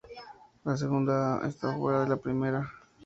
La segunda A está fuera de la primera.